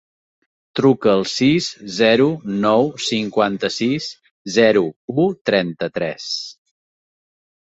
Truca al sis, zero, nou, cinquanta-sis, zero, u, trenta-tres.